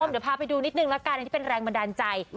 เดี๋ยวพาไปดูนิดนึงนะคะที่เป็นแรงบันดาลใจ